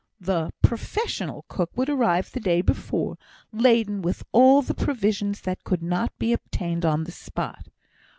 The (professional) cook would arrive the day before, laden with all the provisions that could not be obtained on the spot.